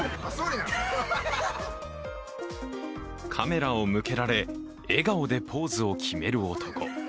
カメラを向けられ、笑顔でポーズを決める男。